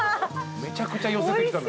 めちゃくちゃ寄せてきた。